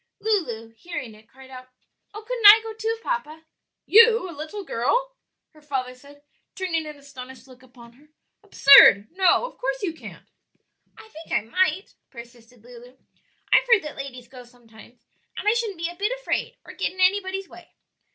Lulu, hearing it, cried out, "Oh, couldn't I go too, papa?" "You? a little girl?" her father said, turning an astonished look upon her; "absurd! no, of course you can't." "I think I might," persisted Lulu; "I've heard that ladies go sometimes, and I shouldn't be a bit afraid or get in anybody's way."